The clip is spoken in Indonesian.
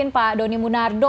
pak doni munardo